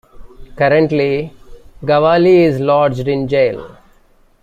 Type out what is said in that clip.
Currently, Gawali is lodged in jail.